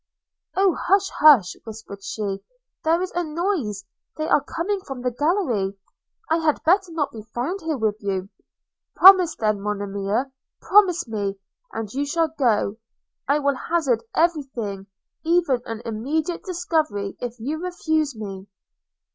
– 'Oh, hush! hush!' whispered she, 'there is a noise! they are coming from the gallery! – I had better not be found here with you.' – 'Promise then, Monimia – promise me, and you shall go. – I will hazard every thing, even an immediate discovery, if you refuse me.'